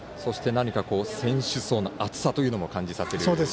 選手層の厚さというのも感じさせる。